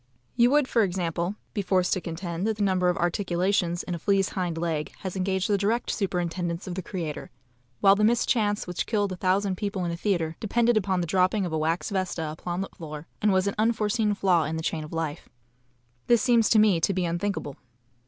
You would, for example, be forced to contend that the number of articulations in a flea's hind leg has engaged the direct superintendence of the Creator, while the mischance which killed a thousand people in a theatre depended upon the dropping of a wax vesta upon the floor, and was an unforeseen flaw in the chain of life. This seems to me to be unthinkable.